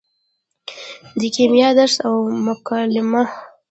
د کیمیا درس او مکالمه